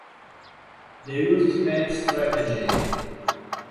The Ultimate Strategy!!